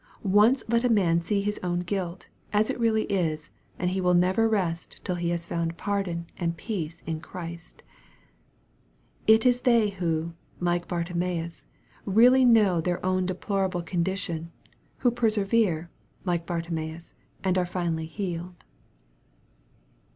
Once let a man see his own guilt, as it really is, and he will never rest till he has found pardon and peace in Christ. It is they who, like Bartimaeus, really know their own deplorable condition, who persevere, like Bartimaeus, and are finally healed.